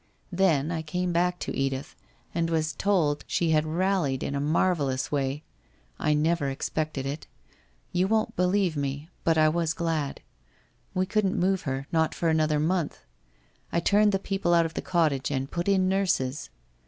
Then I came back to Edith and was told she had rallied' in a marvellous way. I never expected it. You won't believe me, but I was glad. We couldn't move her — not for another month. I turned the people out of the cottage and put in nurses.